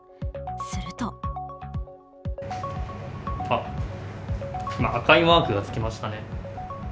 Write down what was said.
すると今、赤いマークが付きましたね。